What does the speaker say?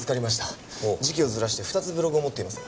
時期をずらして２つブログを持っています。